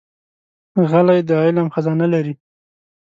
غلی، د علم خزانه لري.